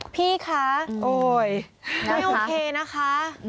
พี่คะโอ๊ยไม่โอเคนะคะ